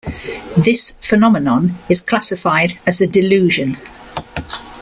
This phenomenon is classified as a delusion.